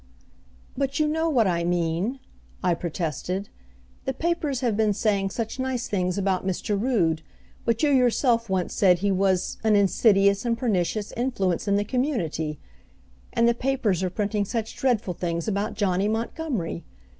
"But you know what I mean," I protested. "The papers have been saying such nice things about Mr. Rood, but you yourself once said he was an 'insidious and pernicious influence in the community'; and the papers are printing such dreadful things about Johnny Montgomery!